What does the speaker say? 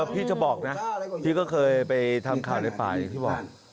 พี่จะบอกนะพี่ก็เคยไปทำข่าวในป่าอย่างที่บอก